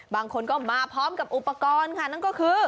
บางคนก็มาพร้อมกับอุปกรณ์ค่ะนั่นก็คือ